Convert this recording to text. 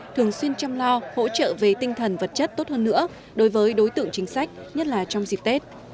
thường xuyên chăm lo hỗ trợ về tinh thần vật chất tốt hơn nữa đối với đối tượng chính sách nhất là trong dịp tết